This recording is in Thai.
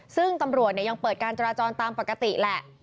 ซึ่งตำรวจยังเปิดการจราจรตามปกติแหละ